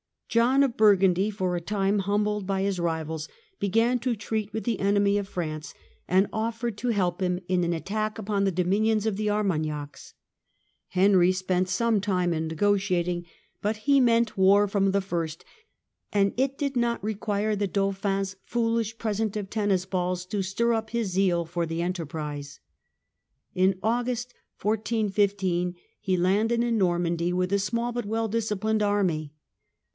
John of Bur gundy, for a time humbled by his rivals, began to treat with the enemy of France and offered to help him in an attack upon the dominions of the Armagnacs. Henry spent some time negotiating, but he meant war from HISTORY OF FRANCE, 1380 1453 211 the first, and it did not require the Dauphin's foolish pre sent of tennis balls to stir up his zeal for the enterprise. In August, 1415, he landed in Normandy with a English small but well disciplined army.